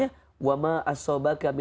kurang sedekah kali